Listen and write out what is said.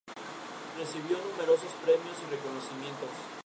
Recibió numerosos premios y reconocimientos.